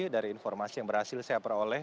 dari informasi yang berhasil saya peroleh